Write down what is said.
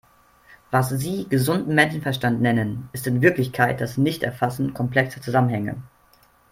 Was Sie gesunden Menschenverstand nennen, ist in Wirklichkeit das Nichterfassen komplexer Zusammenhänge.